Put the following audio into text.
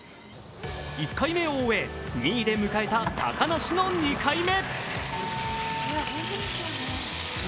１回目を終え、２位で迎えた高梨の２回目。